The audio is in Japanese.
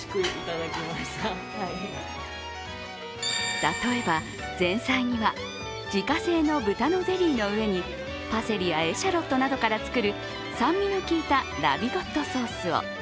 例えば前菜には自家製の豚のゼリーの上にパセリやエシャロットなどから作る酸味の効いたラヴィゴットソースを。